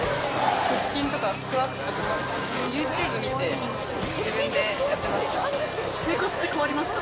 腹筋とか、スクワットとか、ユーチューブ見て、生活って、変わりました？